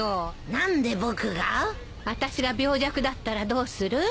何で僕が？あたしが病弱だったらどうする？